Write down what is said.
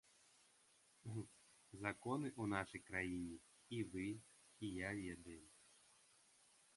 Законы ў нашай краіне і вы, і я ведаем.